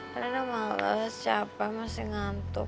daryana males capek masih ngantuk